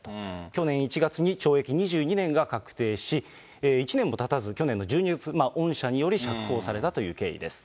去年１月に懲役２２年が確定し、１年もたたず、去年の１２月、恩赦により釈放されたという経緯です。